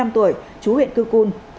bốn mươi năm tuổi chú huyện cư cun